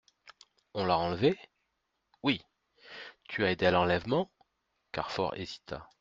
On l'a enlevée ? Oui ! Tu as aidé à l'enlèvement ? Carfor hésita.